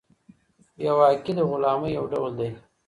بې واکي د غلامۍ يو ډول دی.